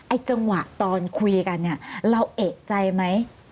ไอ้จังหวะตอนคุยกันเราเอกใจไหม